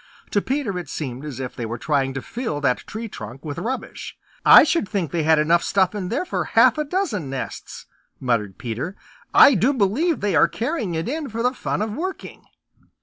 To Peter it seemed as if they were trying to fill that tree trunk with rubbish. "I should think they had enough stuff in there for half a dozen nests," muttered Peter. "I do believe they are carrying it in for the fun of working."